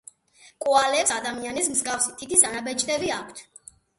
კოალებს ადამიანის მსგავსი თითის ანაბეჭდები აქვთ